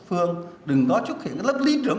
phương đừng có xuất hiện lớp lý trưởng